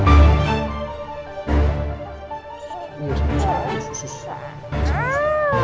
aku mau ke sana